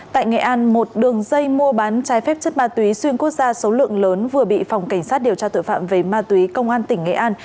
tại nghệ an một đường dây mua bán trái phép chất ma túy xuyên quốc gia số lượng lớn vừa bị phòng cảnh sát điều tra tội phạm về ma túy công an tỉnh nghệ an